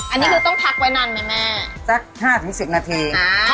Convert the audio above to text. อันนี้คือต้องพักไว้นานไหมแม่สักห้าถึงสิบนาที